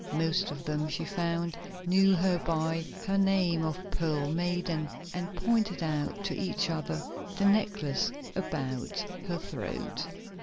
Most of them, she found, knew her by her name of Pearl Maiden, and pointed out to each other the necklace about her throat.